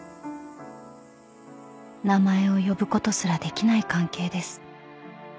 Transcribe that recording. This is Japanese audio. ［名前を呼ぶことすらできない関係です］